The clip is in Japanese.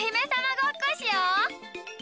ごっこしよう。